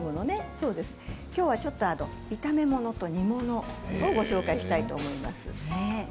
きょうはちょっと炒め物と煮物をご紹介したいと思います。